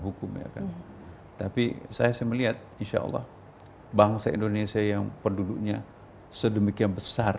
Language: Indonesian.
hukum ya kan tapi saya melihat insya allah bangsa indonesia yang penduduknya sedemikian besar